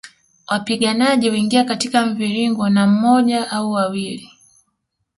Wapiganaji huingia katika mviringo na moja au wawili